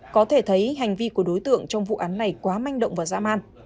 có thể thấy hành vi của đối tượng trong vụ án này quá manh động và dã man